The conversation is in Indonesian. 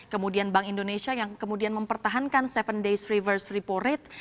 kemudian bank indonesia yang kemudian mempertahankan tujuh days reverse repo rate